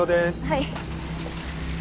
はい。